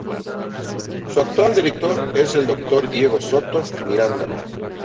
Su actual director es el Dr. Diego Soto Miranda.